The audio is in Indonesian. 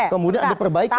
kemudian ada perbaikan nih